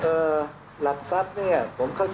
หรือว่ามีการใช้หลักทรัพย์อย่างไรบ้างค่ะท่านค่ะ